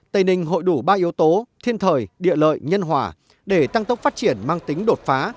tây ninh hội đủ ba yếu tố thiên thời địa lợi nhân hòa để tăng tốc phát triển mang tính đột phá